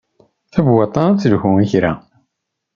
Tabewwaṭ-a ad telhu i kra.